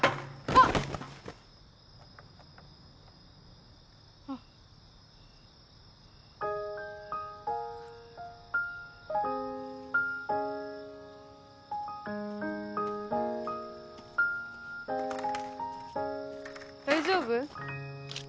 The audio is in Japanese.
あ大丈夫？